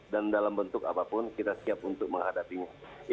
dan dalam bentuk apapun kita siap untuk menghadapinya